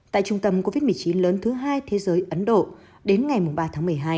tại trung tâm covid một mươi chín lớn thứ hai thế giới ấn độ đến ngày ba tháng một mươi hai